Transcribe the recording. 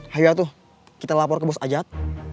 hayu atuh kita lapor ke bos ajat